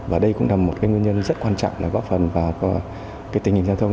và đây cũng là một cái nguyên nhân rất quan trọng để góp phần vào cái tình hình giao thông